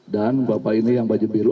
dan bapak ini yang baju biru